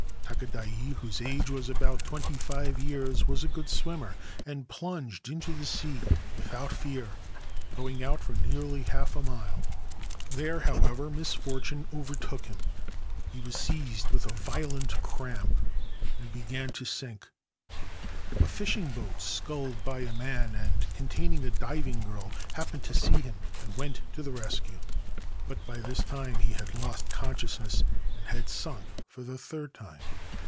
Takadai, whose age was about twenty five years, was a good swimmer, and plunged into the sea without fear, going out for nearly half a mile. There, however, misfortune overtook him. He was seized with a violent cramp and began to sink. A fishing boat sculled by a man and containing a diving girl happened to see him and went to the rescue ; but by this time he had lost consciousness, and had sunk for the third time.